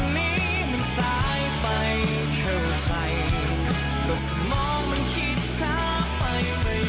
มันคือคิดได้